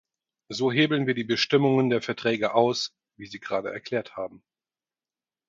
So hebeln wir die Bestimmungen der Verträge aus, wie Sie gerade erklärt haben.